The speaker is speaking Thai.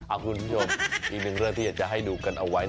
คุณผู้ชมอีกหนึ่งเรื่องที่อยากจะให้ดูกันเอาไว้